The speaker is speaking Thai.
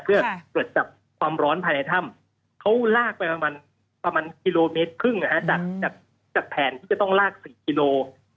หรือจากความร้อนภายในถ้ำเขารากไปประมาณกิโลเมตรครึ่งจากแผ่นการติดข้างที่ต้องราก๔กิโลเมตร